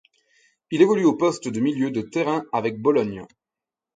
Il évolue au poste de milieu de terrain avec Bologne.